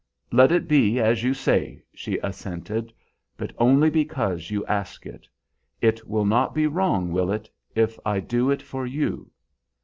"Let it be as you say," she assented; "but only because you ask it. It will not be wrong, will it, if I do it for you?"